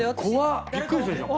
びっくりするでしょ。